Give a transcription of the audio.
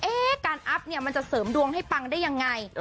การอัพเนี่ยมันจะเสริมดวงให้ปังได้ยังไง